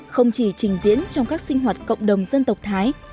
không chỉ trình diễn trong các sinh hoạt cộng đồng dân tộc thái